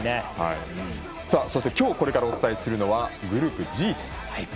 そして今日これからお伝えするのはグループＧです。